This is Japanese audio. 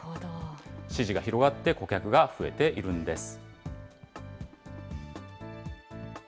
支持が広がって、顧客が増えているんです。